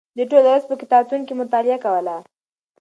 دوی ټوله ورځ په کتابتون کې مطالعه کوله.